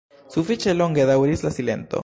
Sufiĉe longe daŭris la silento.